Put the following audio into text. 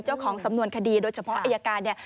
เจ้าของสำนวนคดีโดยเฉพาะอายการเนี่ย